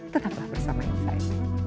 tetaplah bersama saya